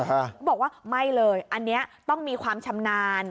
เขาบอกว่าไม่เลยอันนี้ต้องมีความชำนาญ